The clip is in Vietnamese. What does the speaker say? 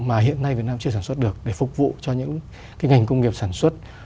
mà hiện nay việt nam chưa sản xuất được để phục vụ cho những ngành công nghiệp sản xuất